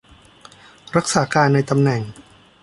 รักษาการในตำแหน่ง